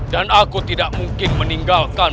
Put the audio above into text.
dan aku tidak mungkin meninggalkan